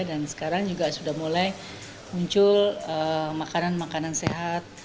dan sekarang juga sudah mulai muncul makanan makanan sehat